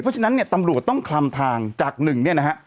เพราะฉะนั้นตำรวจต้องคลำทางจาก๑นี้นะฮะ